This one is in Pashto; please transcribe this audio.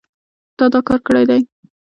تا دا کار کړی دی